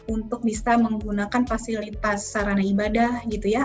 untuk bisa menggunakan fasilitas sarana ibadah gitu ya